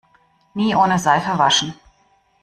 Nie ohne Seife waschen!